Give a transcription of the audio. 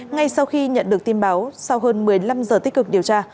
ngay sau khi nhận được tin báo sau hơn một mươi năm giờ tích cực điều tra